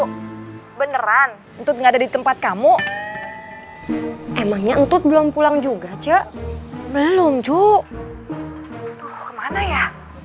cuk beneran untuk nggak ada di tempat kamu emangnya untuk belum pulang juga cek belum cuk kemana ya